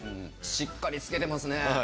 しっかりつけてますね。